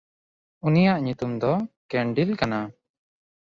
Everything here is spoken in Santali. ᱩᱱᱤᱭᱟᱜ ᱧᱩᱛᱩᱢ ᱫᱚ ᱠᱮᱱᱰᱭᱞ ᱠᱟᱱᱟ᱾